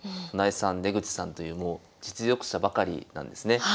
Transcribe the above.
船江さん出口さんという実力者ばかりなんですね。